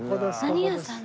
何屋さん？